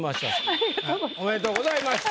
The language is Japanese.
ありがとうございます。